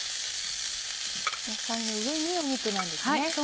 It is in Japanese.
野菜の上に肉なんですね。